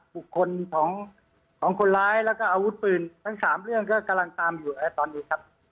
บุคคลของคนร้ายแล้วก็อาวุธปืนทั้ง๓เรื่องก็กำลังตามอยู่ตอนนี้ครับ